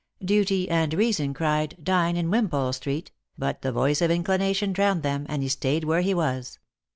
Duty and reason cried "Dine in Wimpole street," but the voice of inclination drowned them, and he stayed where he was.